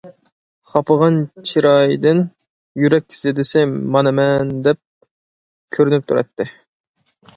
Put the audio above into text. خاپىغان چىرايىدىن يۈرەك زېدىسى مانا مەن، دەپ كۆرۈنۈپ تۇراتتى.